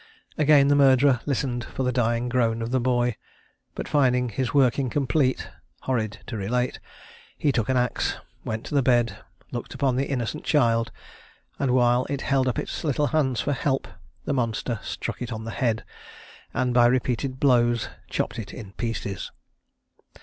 Again the murderer listened for the dying groan of the boy; but finding his work incomplete, (horrid to relate!) he took an axe, went to the bed, looked upon the innocent child, and while it held up its little hands for help, the monster struck it on the head, and, by repeated blows, chopped it in pieces.